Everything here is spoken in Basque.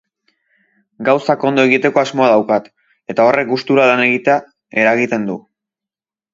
Gauzak ondo egiteko asmoa daukat, eta horrek gustura lan egitea reagiten du.